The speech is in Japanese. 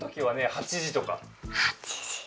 ８時とか。